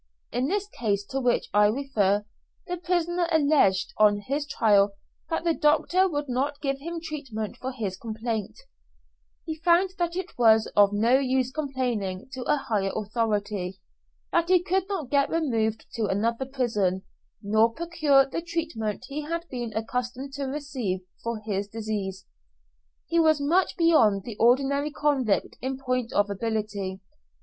In this case to which I refer, the prisoner alleged on his trial that the doctor would not give him treatment for his complaint; he found that it was of no use complaining to a higher authority, that he could not get removed to another prison, nor procure the treatment he had been accustomed to receive for his disease. He was much beyond the ordinary convict in point of ability.